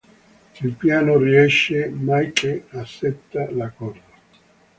Il piano riesce: Mike accetta l'accordo.